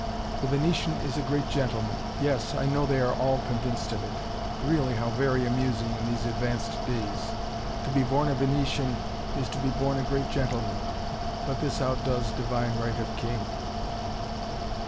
The Venetian is a great gentleman! Yes, I know they are all convinced of it. Really, how very amusing, in these advanced days. To be born a Venetian, is to be born a great gentleman! But this outdoes divine right of king."